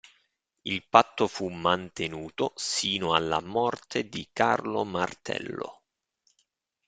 Il patto fu mantenuto sino alla morte di Carlo Martello.